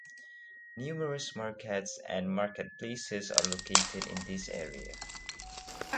Numerous markets and marketplaces are located in this area.